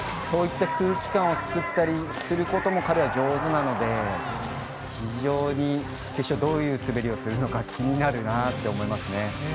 そういった空気感を作ることも彼は上手なので非常に決勝どういう滑りをするか気になるなと思います。